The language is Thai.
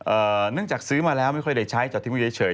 เอ่อเนื่องจากซื้อมาแล้วไม่ค่อยได้ใช้จากที่มุดเฉย